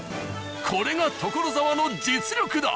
これが所沢の実力だ。